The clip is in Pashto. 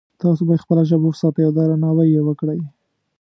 تاسو باید خپله ژبه وساتئ او درناوی یې وکړئ